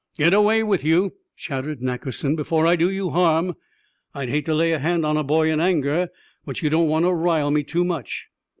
"Get away with you," shouted Nackerson, "before I do you harm! I'd hate to lay a hand on a boy in anger; but you don't want to rile me too much!"